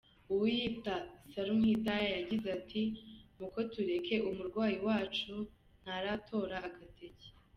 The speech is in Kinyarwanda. Uwiyita Salumhidaya yagize ati “muko turekere umurwayi wacu ntaratora agatege.